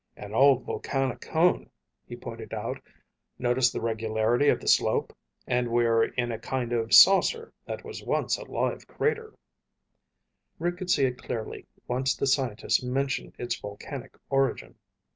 "An old volcanic cone," he pointed out. "Notice the regularity of the slope? And we're in a kind of saucer that once was a live crater." Rick could see it clearly once the scientist mentioned its volcanic origin.